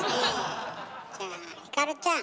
じゃあひかるちゃん。